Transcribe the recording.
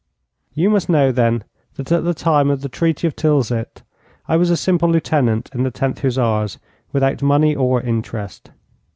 You must know, then, that at the time of the Treaty of Tilsit I was a simple lieutenant in the 10th Hussars, without money or interest.